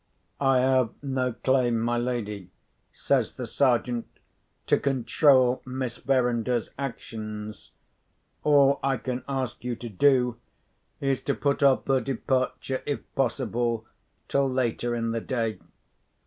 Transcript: "I have no claim, my lady," says the Sergeant, "to control Miss Verinder's actions. All I can ask you to do is to put off her departure, if possible, till later in the day.